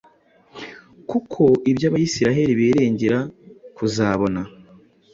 kuko ibyo Abisirayeli biringira kuzabona,